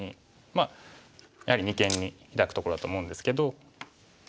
まあやはり二間にヒラくところだと思うんですけど。